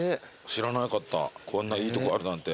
知らなかったこんないいとこあるなんて。